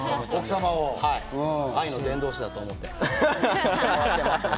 愛の伝道師だと思ってます。